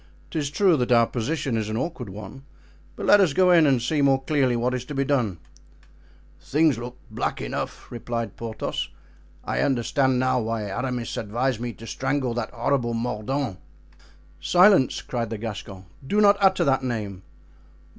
"'Tis true that our position is an awkward one; but let us go in and see more clearly what is to be done." "Things look black enough," replied Porthos; "I understand now why Aramis advised me to strangle that horrible Mordaunt." "Silence!" cried the Gascon; "do not utter that name."